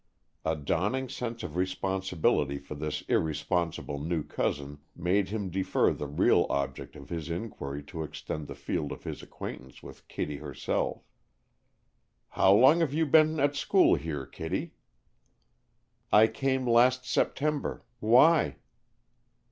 A dawning sense of responsibility for this irresponsible new cousin made him defer the real object of his inquiry to extend the field of his acquaintance with Kittie herself. "How long have you been at school here. Kittie?" "I came last September. Why?"